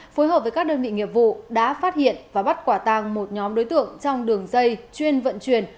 phối hợp với các đơn vị nghiệp vụ đã phát hiện và bắt quả tàng một nhóm đối tượng trong đường dây chuyên vận chuyển